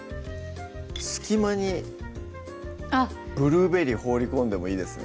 隙間にブルーベリー放り込んでもいいですね